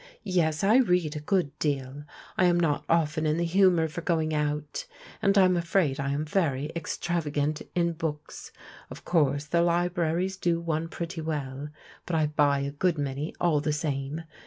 " Yes, I read a good deal, I am not often in the humour for going out, and I'm afraid I am very extrav agant in books. Of course the libraries do one pretty well, but I buy^a good many all the same.